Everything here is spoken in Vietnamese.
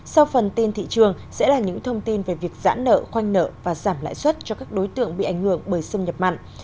sau phần tin thị trường sẽ là những thông tin về việc giãn nợ khoanh nợ và giảm lãi suất cho các đối tượng bị ảnh hưởng bởi xâm nhập mặn